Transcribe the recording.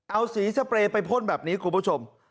เอาสีสเปรย์ไปพ่นแบบนี้คุณผู้ชม